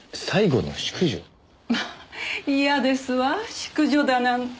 まあ嫌ですわ淑女だなんて。